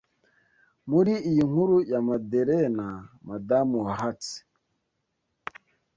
Muri iyi nkuru ya Madelena Madamu Wahatsi